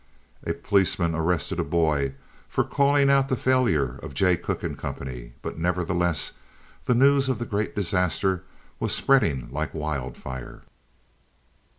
A policeman arrested a boy for calling out the failure of Jay Cooke & Co., but nevertheless the news of the great disaster was spreading like wild fire.